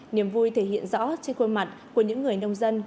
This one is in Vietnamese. niềm vui thể hiện rõ trên khuôn mặt của những người nông dân